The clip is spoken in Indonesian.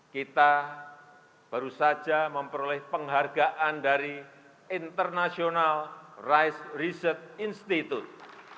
kita baru saja memperoleh penghargaan dari international rice research institute